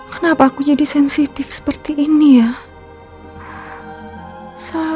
kenapa aku jadi sensitif objects